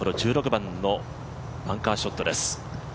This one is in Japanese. １６番のバンカーショットです。